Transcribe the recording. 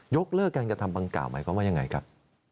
เลิกการกระทำดังกล่าวหมายความว่ายังไงครับ